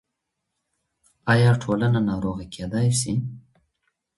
آيا ټولنه ناروغه کيدای سي؟